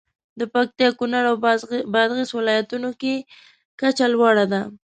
د پکتیا، کونړ او بادغیس ولایتونو کې کچه لوړه ده.